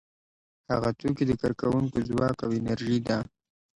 هغه توکي د کارکوونکو ځواک او انرژي ده